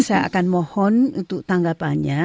saya akan mohon untuk tanggapannya